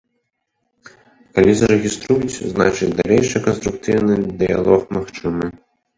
Калі зарэгіструюць, значыць далейшы канструктыўны дыялог магчымы.